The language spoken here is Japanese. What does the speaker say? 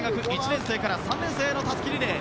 １年生から３年生へのたすきリレー。